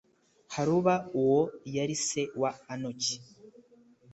haruba uwo yari se wa anoki